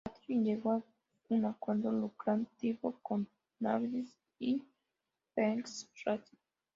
Patrick llegó a un acuerdo lucrativo con Ganassi y Penske Racing.